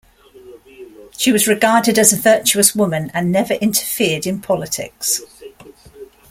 She was regarded as a virtuous woman and never interfered in politics.